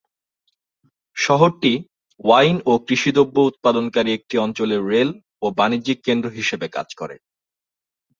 শহরটি ওয়াইন ও কৃষি দ্রব্য উৎপাদনকারী একটি অঞ্চলের রেল ও বাণিজ্যিক কেন্দ্র হিসেবে কাজ করে।